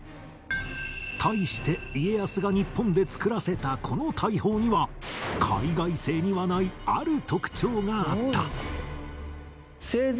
対して家康が日本でつくらせたこの大砲には海外製にはないある特徴があった